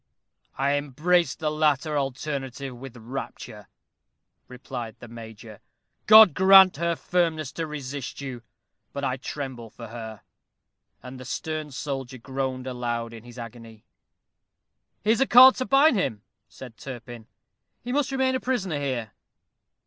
"I embrace the latter alternative with rapture," replied the Major "God grant her firmness to resist you. But I tremble for her." And the stern soldier groaned aloud in his agony. "Here is a cord to bind him," said Turpin; "he must remain a prisoner here."